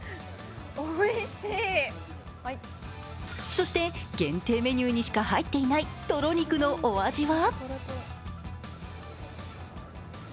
そして限定メニューにしか入っていないとろ肉のお味は？